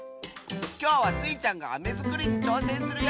きょうはスイちゃんがアメづくりにちょうせんするよ！